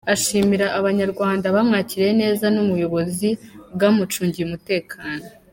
Ashimira Abanyarwanda bamwakiriye neza n’ubuyobozi bwamucungiye umutekano.